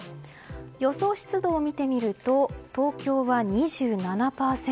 予想湿度を見てみると東京は２７％。